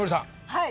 はい。